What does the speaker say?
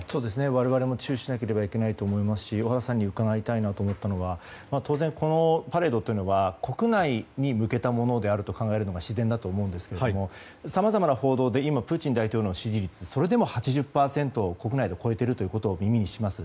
我々も注意しなければいけないですし小原さんに伺いたいのは当然、パレードは国内に向けたものだと考えるのが自然だと思いますがさまざまな報道で今、プーチン大統領の支持率がそれでも８０％国内で超えていると耳にします。